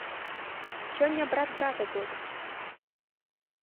Сёння брат брата топіць.